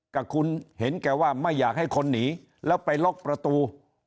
กับคุณเห็นแกว่าไม่อยากให้คนหนีแล้วไปล็อกประตู